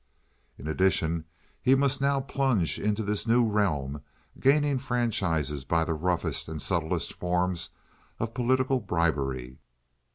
In addition he must now plunge into this new realm, gaining franchises by the roughest and subtlest forms of political bribery.